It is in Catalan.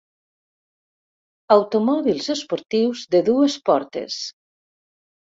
Automòbils esportius de dues portes.